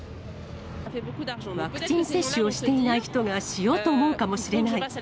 ワクチン接種をしていない人がしようと思うかもしれない。